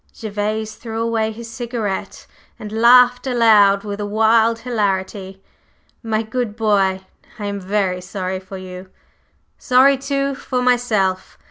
Gervase threw away his cigarette and laughed aloud with a wild hilarity. "My good boy, I am very sorry for you! Sorry, too, for myself!